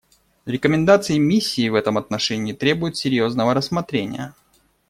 Рекомендации миссии в этом отношении требуют серьезного рассмотрения.